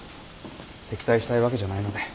敵対したいわけじゃないので。